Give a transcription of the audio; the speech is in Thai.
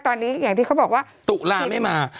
อย่างที่เขาบอกว่าตุลาไม่มา